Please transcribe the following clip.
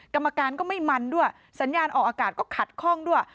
กรรมการก็ไม่มันด้วยสัญญาณออกอากาศก็ขัดข้องด้วย